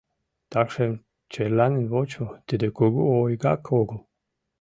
Такшым черланен вочмо — тиде кугу ойгак огыл.